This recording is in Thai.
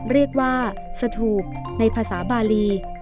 เรียกว่าสถูปในภาษาบาลี